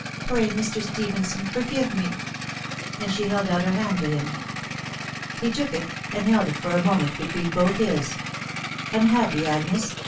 Pray, Mr. Stephenson, forgive me," and she held out her hand to him. He took it, and held it for a moment between both his. " Unhappy, Agnes